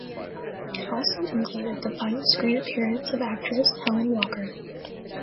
It also included the final screen appearance of actress Helen Walker.